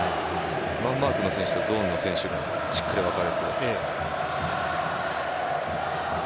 マンマークの選手とゾーンの選手がしっかり分かれて。